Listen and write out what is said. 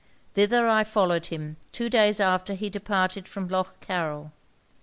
Thither I followed him, two days after he departed from Lough Carryl.